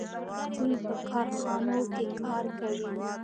دوی په کارخانو کې کار کوي.